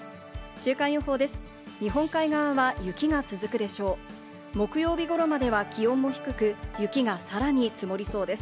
週間予報です。